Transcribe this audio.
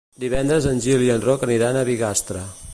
Divendres en Gil i en Roc aniran a Bigastre.